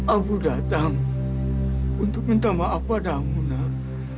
abu datang untuk minta maaf padamu nak